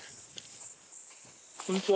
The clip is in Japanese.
こんにちは。